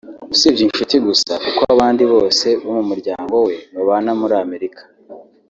usibye inshuti gusa kuko abandi bose bo mu muryango we babana muri Amerika